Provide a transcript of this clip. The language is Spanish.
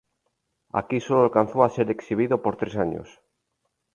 Aquí sólo alcanzó a ser exhibido por tres años.